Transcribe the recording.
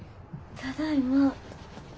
ただいま。